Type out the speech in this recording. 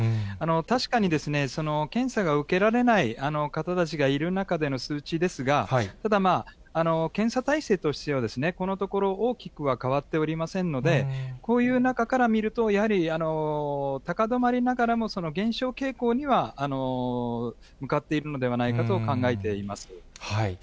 確かに検査が受けられない方たちがいる中での数値ですが、ただまあ、検査体制としてはこのところ、大きくは変わっておりませんので、こういう中から見ると、やはり高止まりながらも、減少傾向には向かっているのではないかと考えています。